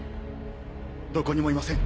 どこにもいません。